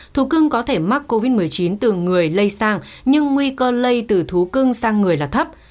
thú cưng có thể mắc covid một mươi chín từ người lây sang nhưng nguy cơ lây từ thú cưng sang người là thấp